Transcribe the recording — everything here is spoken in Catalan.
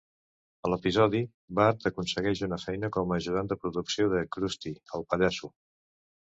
A l'episodi, Bart aconsegueix una feina com a ajudant de producció de Krusty el Pallasso.